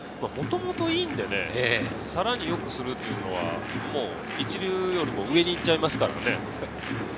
もともといいんでね、さらに良くするというのは一流よりも上にいっちゃいますからね。